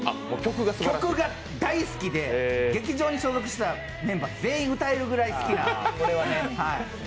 曲が大好きで、劇場に所属したメンバーが全員歌えるぐらい好きな。